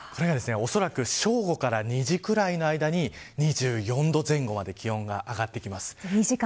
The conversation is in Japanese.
これがおそらく正午から２時ぐらいの間に２４度前後まで気温が上がってきます。